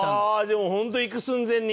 でもホント行く寸前に。